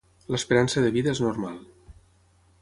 L'esperança de vida és normal.